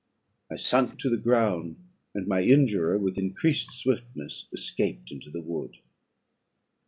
I sunk to the ground, and my injurer, with increased swiftness, escaped into the wood.